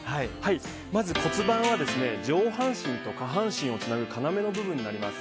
まず骨盤は上半身と下半身をつなぐ要の部分になります。